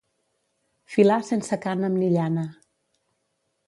Filar sense cànem ni llana.